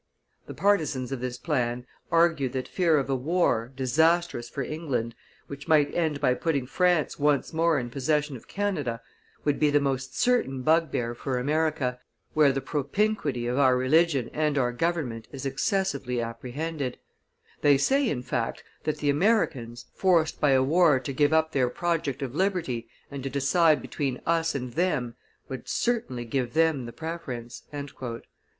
The partisans of this plan argue that fear of a war, disastrous for England, which might end by putting France once more in possession of Canada, would be the most certain bugbear for America, where the propinquity of our religion and our government is excessively apprehended; they say, in fact, that the Americans, forced by a war to give up their project of liberty and to decide between us and them, would certainly give them the preference."